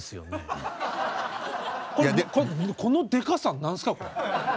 このでかさ何すかこれ。